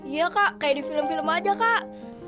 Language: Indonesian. iya kak kayak di film film aja kak